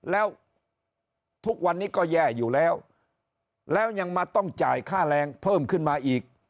แล้วทุกวันนี้ก็แย่อยู่แล้วแล้วยังมาต้องจ่ายค่าแรงเพิ่มขึ้นมาอีก